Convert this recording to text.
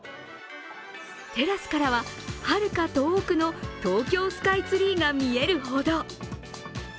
テラスからは、はるか遠くの東京スカイツリーが見えるほど。